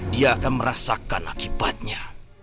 dia akan merasakan akibatnya